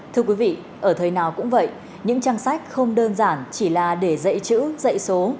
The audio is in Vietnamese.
thưa quý vị ở thời nào cũng vậy những trang sách không đơn giản chỉ là để dạy chữ dạy số